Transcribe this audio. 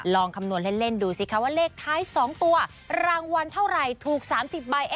คำนวณเล่นดูสิคะว่าเลขท้าย๒ตัวรางวัลเท่าไหร่ถูก๓๐ใบ